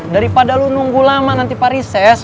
daripada lo nunggu lama nanti pari ses